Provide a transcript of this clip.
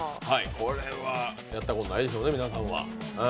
これはやったことないでしょうね、皆さんは。